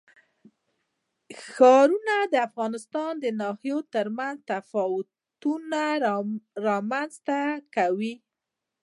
ښارونه د افغانستان د ناحیو ترمنځ تفاوتونه رامنځ ته کوي.